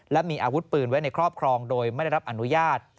และมีอาวุธปืนไว้ในครอบครองโดยไม่ได้รับอนุญาต